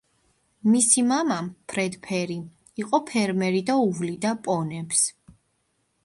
მისი მამა, ფრედ ფერი, იყო ფერმერი და უვლიდა პონებს.